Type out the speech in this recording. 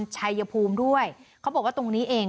ชัยภูมิด้วยเขาบอกว่าตรงนี้เอง